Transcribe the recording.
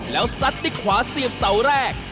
แล้วสัดที่ขวาเสียบเสาแรก